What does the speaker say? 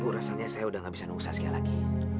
bu rasanya saya udah gak bisa nunggu saskia lagi